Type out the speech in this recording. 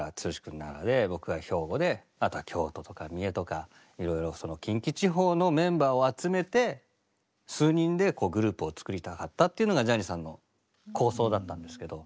奈良で僕は兵庫であとは京都とか三重とかいろいろその近畿地方のメンバーを集めて数人でこうグループを作りたかったっていうのがジャニーさんの構想だったんですけど。